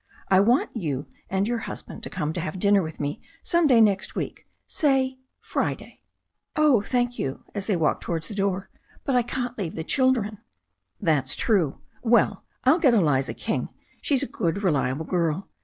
I want you and your hus band to come to have dinner with me some day next week, say Friday." "Oh, thank you," as they walked towards the door, "but I can't leave the children." "That's true. Well, I'll get Eliza King. She's a good, reliable girl.